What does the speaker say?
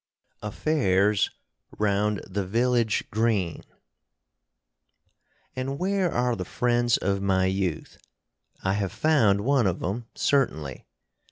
AFFAIRS ROUND THE VILLAGE GREEN And where are the friends of my youth? I have found one of 'em, certainly.